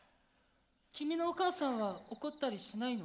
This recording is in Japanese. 君のお母さんは怒ったりしないの？